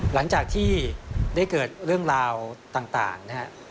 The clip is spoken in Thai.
หลังจากที่ได้เกิดเรื่องราวต่างนะครับ